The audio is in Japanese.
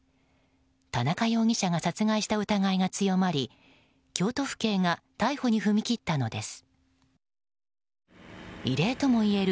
田中容疑者が殺害した疑いが強まり京都府警が逮捕に踏み切ったのです。